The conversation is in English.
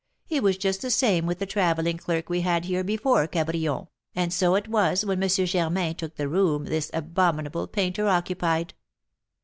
It was just the same with the travelling clerk we had here before Cabrion, and so it was when M. Germain took the room this abominable painter occupied.